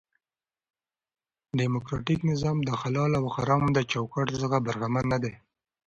ډیموکراټ نظام دحلالو او حرامو د چوکاټ څخه برخمن نه دي.